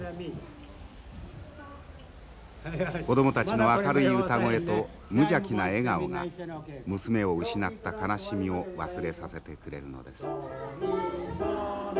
子供たちの明るい歌声と無邪気な笑顔が娘を失った悲しみを忘れさせてくれるのです。